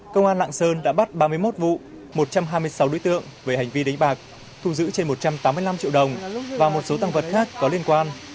công an lạng sơn đã bắt ba mươi một vụ một trăm hai mươi sáu đối tượng về hành vi đánh bạc thu giữ trên một trăm tám mươi năm triệu đồng và một số tăng vật khác có liên quan